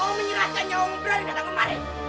kau menyerahkan nyawamu berani datang kemari